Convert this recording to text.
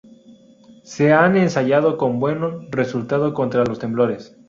Se han ensayado con buen resultado contra los temblores.